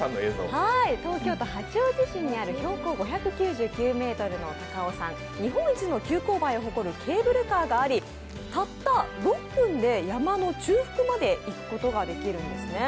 東京都・八王子市にある東京八王子にある高尾山、日本一の標高を誇るケーブルカーがあり、たった６分で山の中腹まで行くことができるんですね。